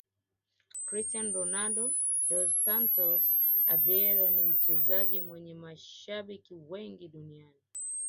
Cristiano Ronaldo dos Santos Aveiro ni mchezaji mwenye mashabiki wengi duniani